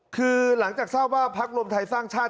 คือหลังจากเศร้าว่าปทรทรสร้างชาติ